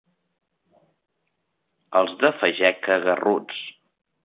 Els de Fageca, garruts.